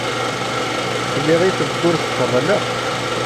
Sliɣ i tewwurt teɣleq.